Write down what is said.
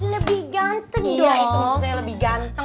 lebih ganteng dong